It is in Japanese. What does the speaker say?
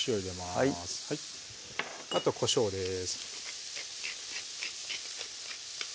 あとこしょうです